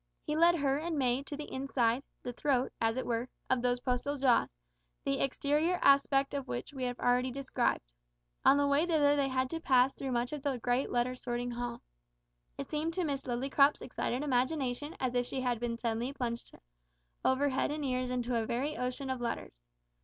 He led her and May to the inside the throat, as it were of those postal jaws, the exterior aspect of which we have already described. On the way thither they had to pass through part of the great letter sorting hall. It seemed to Miss Lillycrop's excited imagination as if she had been suddenly plunged over head and ears into a very ocean of letters.